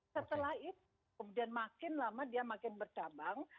setelah itu kemudian makin lama dia makin bercabang